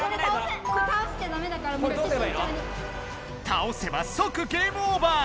たおせばそくゲームオーバー。